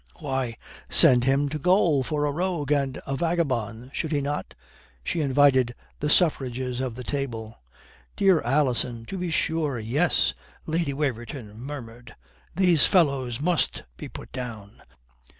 "Why, send him to gaol for a rogue and a vagabond. Should he not?" she invited the suffrages of the table. "Dear Alison, to be sure, yes," Lady Waverton murmured. "These fellows must be put down."